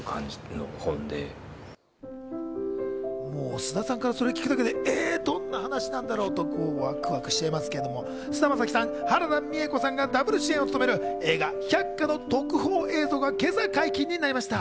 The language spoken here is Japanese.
菅田さんからそれ聞くだけで、どんな話なんだろうとワクワクしちゃいますけど、菅田将暉さん、原田美枝子さんがダブル主演を務める映画『百花』の特報映像が今朝、解禁になりました。